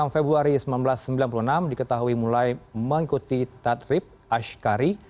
enam februari seribu sembilan ratus sembilan puluh enam diketahui mulai mengikuti tadrib ashkari